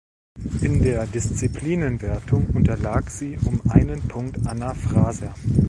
In der Disziplinenwertung unterlag sie um einen Punkt Anna Fraser.